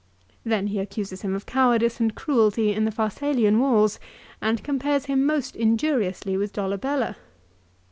Then he accuses him of cowardice and cruelty in the Pharsalian wars, and compares him most injuriously with Dolabella.